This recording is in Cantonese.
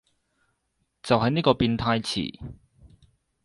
就係呢個變態詞